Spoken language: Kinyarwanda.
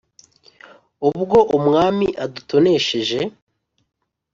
«ubwo umwami adutonesheje,